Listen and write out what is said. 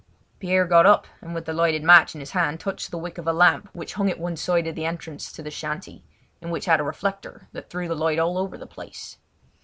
Pierre got up and with the lighted match in his hand touched the wick of a lamp which hung at one side of the entrance to the shanty, and which had a reflector that threw the light all over the place.